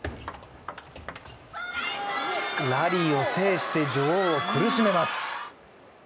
ラリーを制して、女王を苦しめます。